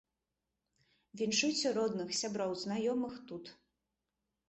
Віншуйце родных, сяброў, знаёмых тут!